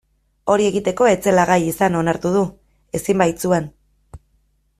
Hori egiteko ez zela gai izan onartu du, ezin baitzuen.